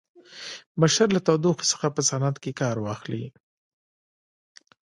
بشر له تودوخې څخه په صنعت کې کار واخلي.